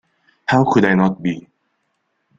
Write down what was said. How could I not be?